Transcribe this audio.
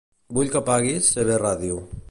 Vull que apaguis CVradio.